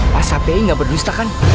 pak shafi'i gak berdusta kan